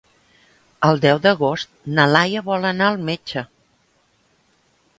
El deu d'agost na Laia vol anar al metge.